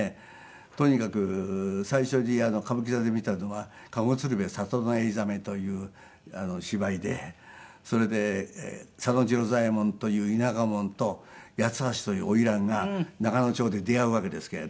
とにかく最初に歌舞伎座で見たのは『籠釣瓶花街酔醒』という芝居でそれで佐野次郎左衛門という田舎者と八ツ橋という花魁が仲之町で出会うわけですけれどもね。